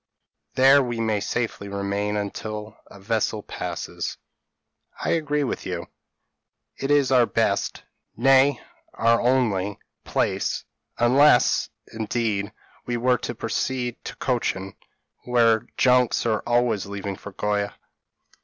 There we may safely remain until a vessel passes." "I agree with you; it is our best, nay our only, place; unless, indeed, we were to proceed to Cochin, where junks are always leaving for Goa."